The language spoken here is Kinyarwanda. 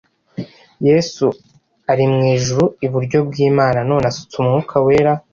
yesu ari mu ijuru iburyo bw imana none asutse umwuka wera